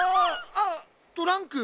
あっトランク。